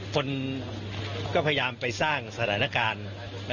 คนก็พยายามไปสร้างสถานการณ์